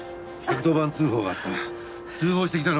１１０番通報があった。